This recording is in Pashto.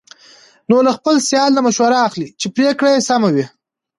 نو له خپل سیال نه مشوره اخلي، چې پرېکړه یې سمه وي.